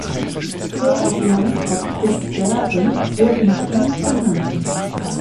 Heer-Land auf Spitzbergen wurde nach ihm benannt.